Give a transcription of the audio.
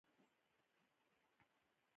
دغه جګړه به هغه تاجک قوماندانان نوره هم تېزه کړي.